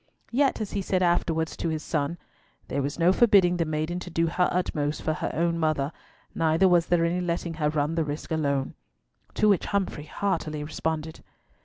Yet, as he said afterwards to his son, "There was no forbidding the maiden to do her utmost for her own mother, neither was there any letting her run the risk alone." To which Humfrey heartily responded.